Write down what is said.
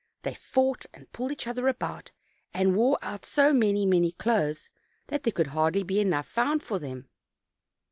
They fought and pulled each other about, and wore out so many, many clothes that there could hardly be enough found for them.